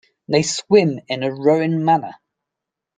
They swim in a rowing manner.